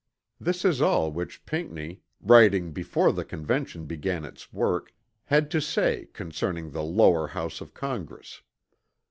This is all which Pinckney, writing before the Convention began its work, had to say concerning the lower house of Congress.